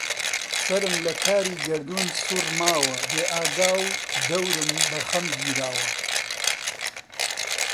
سەرم لە کاری گەردوون سوڕماوە بێئاگا و دەورم بە خەم گیراوە